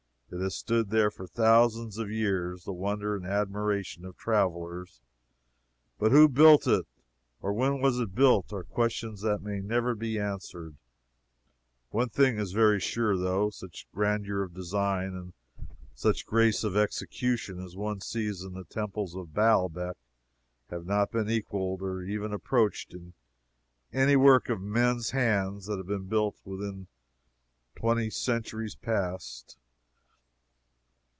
It has stood there for thousands of years, the wonder and admiration of travelers; but who built it, or when it was built, are questions that may never be answered. One thing is very sure, though. Such grandeur of design, and such grace of execution, as one sees in the temples of Baalbec, have not been equaled or even approached in any work of men's hands that has been built within twenty centuries past.